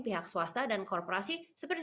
pihak swasta dan korporasi seperti